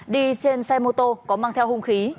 đi trên xe mô tô có mang theo hung khí